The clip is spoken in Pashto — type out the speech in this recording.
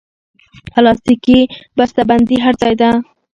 پلاستيکي بستهبندي هر ځای ده.